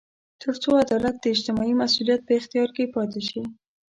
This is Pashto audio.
تر څو عدالت د اجتماعي مسوولیت په اختیار کې پاتې شي.